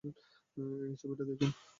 এই ছবিটা দেখুন।